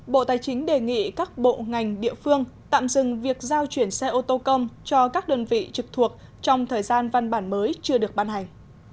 bộ tài chính đề nghị các bộ ngành địa phương tạm dừng việc giao chuyển xe ô tô công cho các đơn vị trực thuộc trong thời gian văn bản mới chưa được ban hành